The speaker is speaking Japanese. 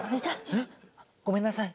えっ？ごめんなさい。